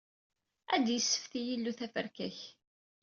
Ad yessefti yillew taferka-k!